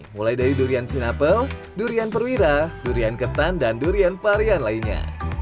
mulai dari durian sinapel durian perwira durian ketan dan durian varian lainnya